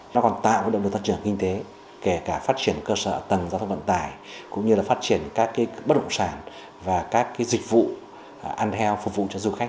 nó còn tạo động lực tăng trưởng kinh tế kể cả phát triển cơ sở tầng giao thông vận tải cũng như là phát triển các bất động sản và các dịch vụ ăn heo phục vụ cho du khách